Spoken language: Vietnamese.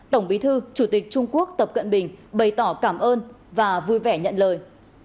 tổng bí thư chủ tịch trung quốc tập cận bình bày tỏ cảm ơn và vui vẻ nhận lời